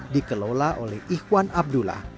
dikelola oleh ikhwan abdullah